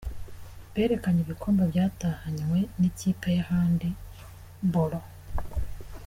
Berekanye ibikombe byatahanywe n’ikipe ya handi bolo.